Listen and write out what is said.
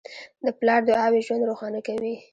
د پلار دعاوې ژوند روښانه کوي.